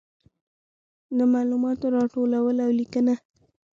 د معلوماتو راټولول او لیکنه.